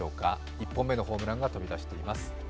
１本目のホームランが飛び出しています。